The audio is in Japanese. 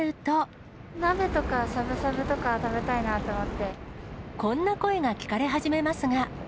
鍋とか、しゃぶしゃぶとか食こんな声が聞かれ始めますが。